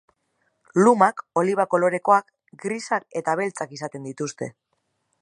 Lumak oliba kolorekoak, grisak eta beltzak izaten dituzte.